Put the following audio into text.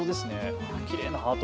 きれいなハート。